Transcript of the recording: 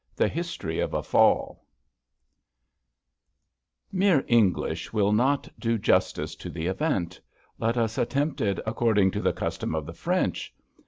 THE HISTOEY OF A FALL liJf ERE English will not do justice to the event. Let us attempt it according to the custom of the French.